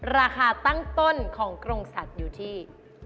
ราคาตั้งต้นของกรงสัตว์อยู่ที่